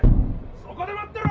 そこで待ってろ！！